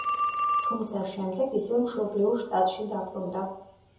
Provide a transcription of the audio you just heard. თუმცა შემდეგ ისევ მშობლიურ შტატში დაბრუნდა.